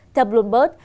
thật luôn bớt